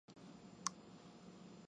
Eran un estado vasallo del Reino lozi.